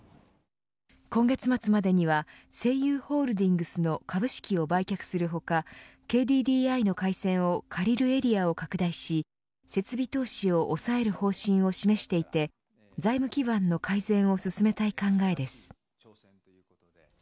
今月末までには西友ホールディングスの株式を売却する他ＫＤＤＩの回線を借りるエリアを拡大し設備投資を抑える方針を示していて財務基盤の改善を進めたい考えです。